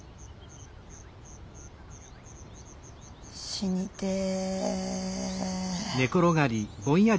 死にてえ。